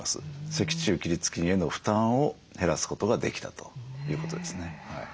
脊柱起立筋への負担を減らすことができたということですね。